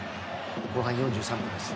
後半４３分です。